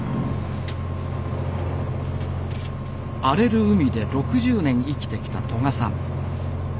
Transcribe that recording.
荒れる海で６０年生きてきた問可さん。